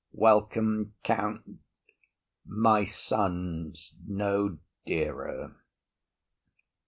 Welcome, Count; My son's no dearer.